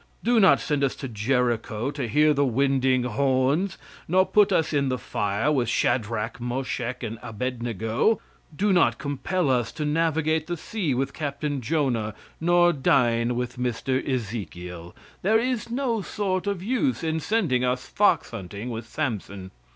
Do not send us to Jericho to hear the winding horns, nor put us in the fire with Shadrach, Moshech, and Abednego. Do not compel us to navigate the sea with Captain Jonah, nor dine with Mr. Ezekiel. There is no sort of use in sending us fox hunting with Samson.